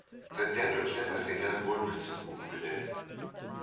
Präsident und Stellvertreter wurden durch Zuruf gewählt.